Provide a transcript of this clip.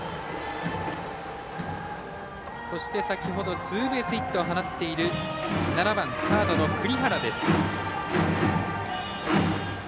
そして先ほどツーベースヒットを放っている７番、サードの栗原です。